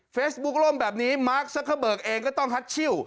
เฟซบุ๊กร่มแบบนี้มาร์คซักเข้าเบิกเองก็ต้องคัดชิ้ว